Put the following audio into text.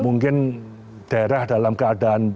mungkin daerah dalam keadaan